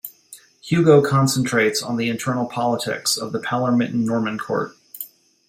Hugo concentrates on the internal politics of the Palermitan Norman court.